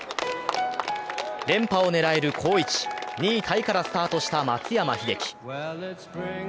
連覇を狙える好位置、２位タイからスタートした松山英樹。